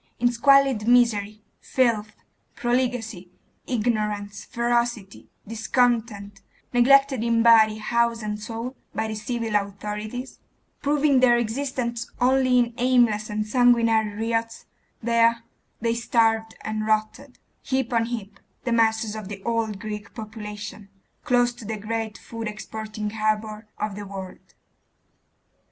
In squalid misery, filth, profligacy, ignorance, ferocity, discontent, neglected in body, house, and soul, by the civil authorities, proving their existence only in aimless and sanguinary riots, there they starved and rotted, heap on heap, the masses of the old Greek population, close to the great food exporting harbour of the world.